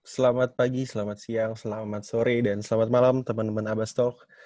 selamat pagi selamat siang selamat sore dan selamat malam temen temen abastalk